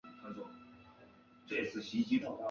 西门外遗址的历史年代为商。